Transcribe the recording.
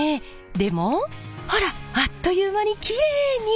でもほらあっという間にキレイに！